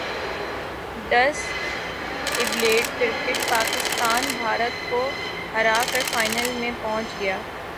ڈس abled cricket Pakistan Bharat کو ہراکر final میں پہنچ گیا